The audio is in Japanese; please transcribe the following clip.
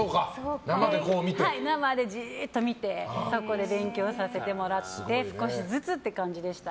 生でじーっと見てそこで勉強させてもらって少しずつという感じでした。